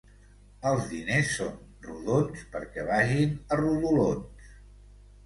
Els diners són rodons perquè vagin a rodolons.